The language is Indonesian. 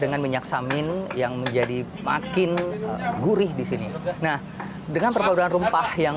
dengan minyak samin yang menjadi makin gurih disini nah dengan pelan pelan rumpah yang